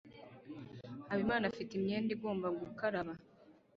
Habimana afite imyenda igomba gukaraba.